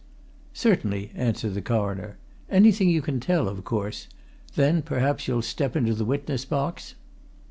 "Certainly," answered the Coroner. "Anything you can tell, of course. Then, perhaps you'll step into the witness box?"